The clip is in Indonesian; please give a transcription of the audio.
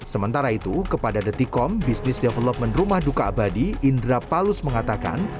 sementara itu kepada detikom business development rumah duka abadi indra palus mengatakan